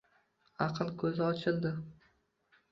Aql ko’zi ochildi.